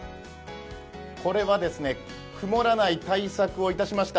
これは曇らない対策をいたしました。